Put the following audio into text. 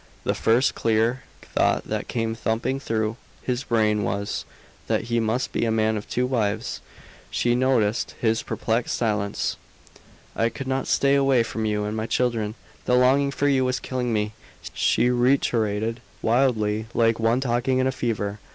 The first clear thought that came thumping through his brain was, that he must be a man of two wives. She noticed his perplexed silence. "I could not stay away from you and my children. The longing for you was killing me," she reiterated, wildly, like one talking in a fever.